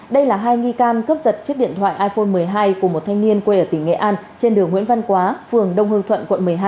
đây là hai nghi can cướp giật chiếc điện thoại iphone một mươi hai của một thanh niên quê ở tỉnh nghệ an trên đường nguyễn văn quá phường đông hương thuận quận một mươi hai